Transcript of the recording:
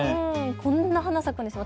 こんなに花が咲くんですね。